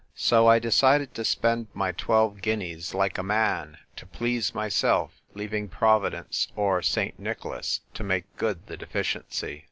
So I decided to spend my twelve guineas like a man, to please myself, leaving Providence or St. Nicholas to make good the deficiency.